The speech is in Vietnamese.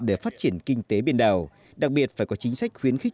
để phát triển kinh tế biển đảo đặc biệt phải có chính sách khuyến khích